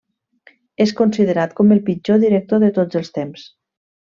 És considerat com el pitjor director de tots els temps.